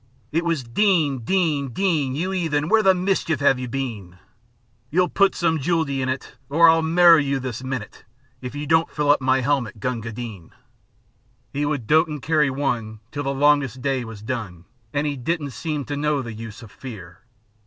It was "Din! Din! Din! You 'eathen, where the mischief 'ave you been? You put some juldee 3 in it Or I'll marrow 4 you this minute If you don't fill up my helmet, Gunga Din!" 'E would dot an' carry one Till the longest day was done; An' 'e didn't seem to know the use o' fear.